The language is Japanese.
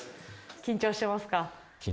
緊張してますか？